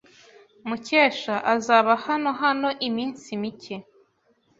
Mukesha azaba hano hano iminsi mike.